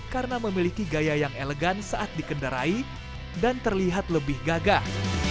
karena memiliki gaya yang elegan saat dikendarai dan terlihat lebih gagah